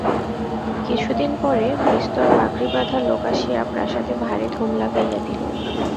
কিছুদিন পরে বিস্তর পাগড়ি-বাঁধা লোক আসিয়া প্রাসাদে ভারী ধুম লাগাইয়া দিল।